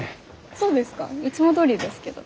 そうですか？いつもどおりですけど。